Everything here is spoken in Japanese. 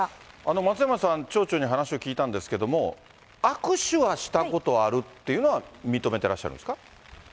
松山さん、町長に話を聞いたんですけども、握手はしたことはあるっていうのは認めてらっしゃるんですか。